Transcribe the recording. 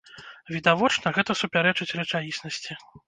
Відавочна, гэта супярэчыць рэчаіснасці.